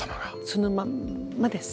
そのまんまです。